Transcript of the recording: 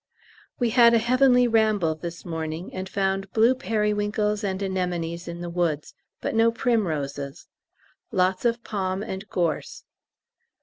We had a heavenly ramble this morning, and found blue periwinkles and anemones in the woods, but no primroses. Lots of palm and gorse.